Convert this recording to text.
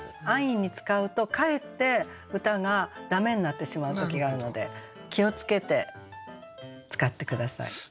安易に使うとかえって歌が駄目になってしまう時があるので気をつけて使って下さい。